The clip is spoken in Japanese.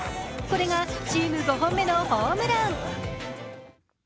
これがチーム５本目のホームラン。